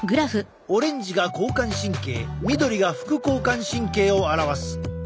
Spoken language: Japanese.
オレンジが交感神経緑が副交感神経を表す。